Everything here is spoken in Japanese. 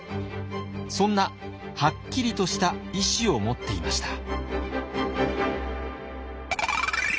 そんなはっきりとした意志を持っていました。